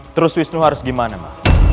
terus harus gimana